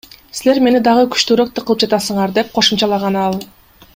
Силер мени дагы күчтүүрөөк кылып жатасыңар, — деп кошумчалаган ал.